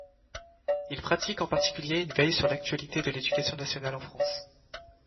Il pratique en particulier une veille sur l'actualité de l'éducation nationale en France.